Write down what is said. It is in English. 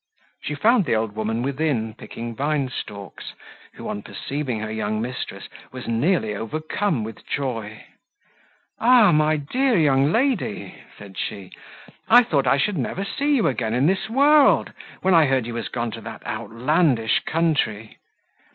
She found the old woman within, picking vine stalks, who, on perceiving her young mistress, was nearly overcome with joy. "Ah! my dear young lady!" said she, "I thought I should never see you again in this world, when I heard you were gone to that outlandish country.